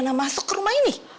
tante andriana masuk ke rumah ini